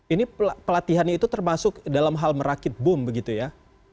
ini pelatihannya itu termasuk dalam hal merakit bom begitu ya